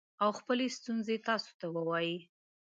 او خپلې ستونزې تاسو ته ووايي